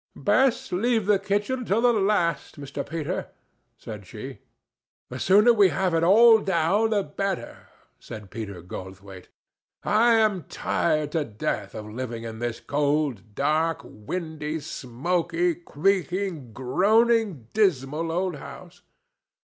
"Best leave the kitchen till the last, Mr. Peter," said she. "The sooner we have it all down, the better," said Peter Goldthwaite. "I am tired to death of living in this cold, dark, windy, smoky, creaking, groaning, dismal old house.